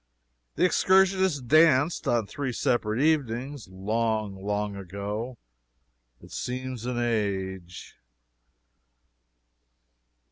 The excursionists danced, on three separate evenings, long, long ago, (it seems an age.)